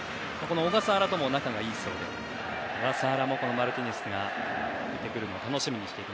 小笠原とも仲がいいそうで小笠原もマルティネスが出てくるのを楽しみにしていて。